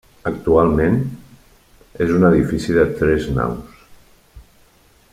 Actualment, és un edifici de tres naus.